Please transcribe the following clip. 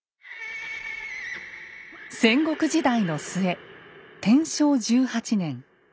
戦国時代の末天正１８年。